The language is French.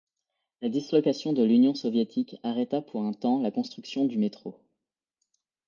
La dislocation de l'Union soviétique arrêta pour un temps la construction du métro.